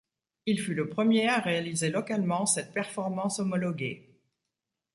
Il fut le premier à réaliser localement cette performance homologuée.